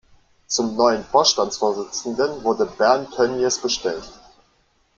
Zum neuen Vorstandsvorsitzenden wurde Bernd Tönjes bestellt.